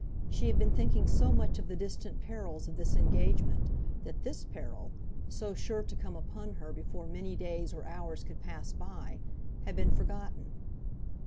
She had been thinking so much of the distant perils of this engagement, that this peril, so sure to come upon her before many days or hours could pass by, had been forgotten.